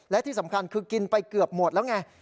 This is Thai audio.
และที่สำคัญคือกินไปเกือบหมดแล้วไง